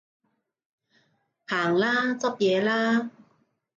行啦，執嘢啦